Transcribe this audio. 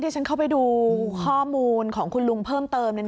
ชั้นจะไปดูข้อมูลของคุณลุงเพิ่มเติมเลยนะครับ